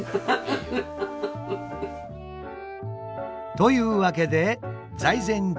というわけで「財前じ